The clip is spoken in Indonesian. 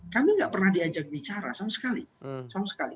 kami nggak pernah diajak bicara sama sekali